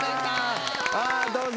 どうぞ。